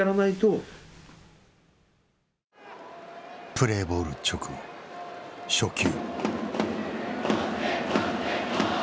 プレーボール直後初球。